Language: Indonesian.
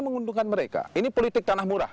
menguntungkan mereka ini politik tanah murah